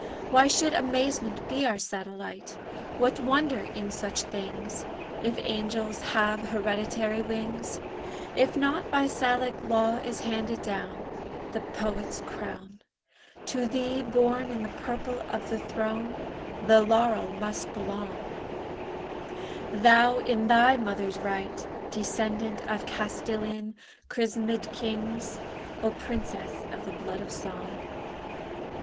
Why should amazement be our satellite? What wonder in such things? If angels have hereditary wings, If not by Salic law is handed down The poet's crown, To thee, born in the purple of the throne, The laurel must belong: Thou, in thy mother's right Descendant of Castilian chrismèd kings O Princess of the Blood of Song!